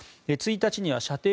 １日には射程